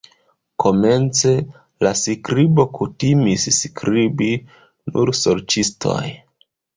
Komence, la skribo kutimis skribi nur sorĉistoj.